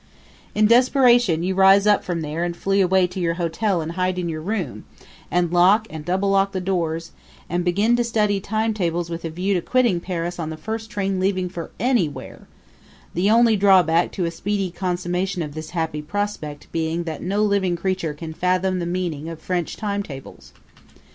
In desperation you rise up from there and flee away to your hotel and hide in your room, and lock and double lock the doors, and begin to study timetables with a view to quitting Paris on the first train leaving for anywhere, the only drawback to a speedy consummation of this happy prospect being that no living creature can fathom the meaning of French timetables.